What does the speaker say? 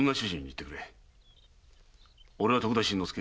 俺は徳田新之助